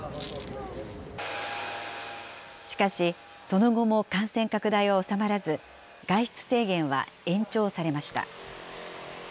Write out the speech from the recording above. しかし、その後も感染拡大は収まらず、外出制限は延長されました。